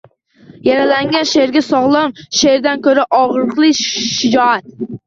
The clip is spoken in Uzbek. Yaralangan sherga, sog’lom sherdan ko’ra og’riqlar shijoat